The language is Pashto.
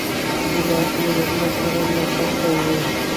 ګیلاس له زړونو سره نښتي وي.